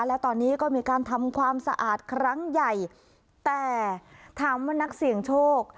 และตอนนี้ก็มีการทำความสะอาดครั้งใหญ่แต่ถามว่านักเสี่ยงโชค